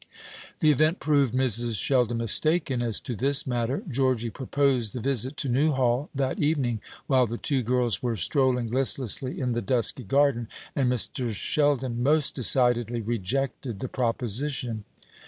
The event proved Mrs. Sheldon mistaken as to this matter. Georgy proposed the visit to Newhall that evening, while the two girls were strolling listlessly in the dusky garden, and Mr. Sheldon most decidedly rejected the proposition.